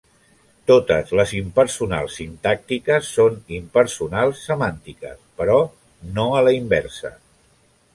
Totes les impersonals sintàctiques són impersonals semàntiques, però no a la inversa.